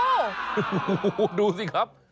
โอ้โหดูสิครับ